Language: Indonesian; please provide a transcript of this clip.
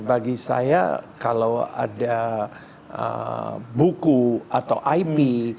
bagi saya kalau ada buku atau ip